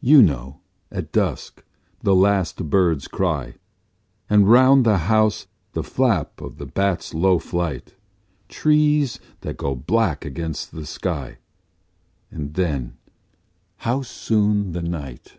You know, at dusk, the last bird's cry, And round the house the flap of the bat's low flight, Trees that go black against the sky And then how soon the night!